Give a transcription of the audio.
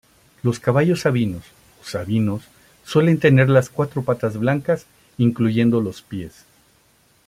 Los caballos sabinos o "sabinos" suelen tener las cuatro patas blancas, incluyendo los pies.